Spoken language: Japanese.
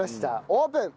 オープン。